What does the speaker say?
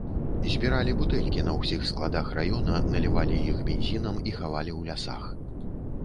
Збіралі бутэлькі на ўсіх складах раёна, налівалі іх бензінам і хавалі ў лясах.